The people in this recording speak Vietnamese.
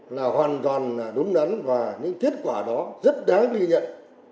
là hoàn toàn đúng đắn và những kết quả đó rất đáng ghi nhận